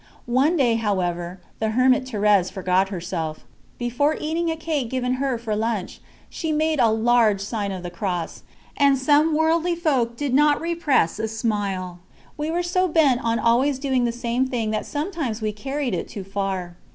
One day, however, the hermit Thérèse forgot herself before eating a cake, given her for lunch, she made a large Sign of the Cross, and some worldly folk did not repress a smile. We were so bent on always doing the same thing that sometimes we carried it too far.